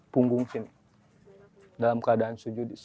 punggung sini dalam keadaan sujudis